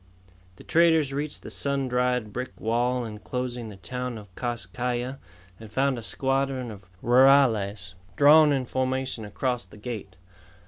The traders reached the sun dried brick wall enclosing the town of Kas Kai Ya and found a squadron of rurales drawn in formation across the gate.